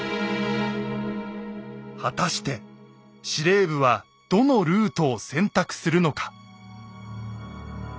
果たして司令部はどのルートを選択するのか。